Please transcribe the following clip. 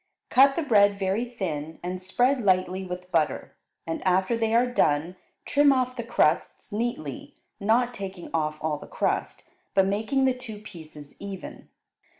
Cut the bread very thin and spread lightly with butter, and after they are done trim off the crusts neatly, not taking off all the crust, but making the two pieces even.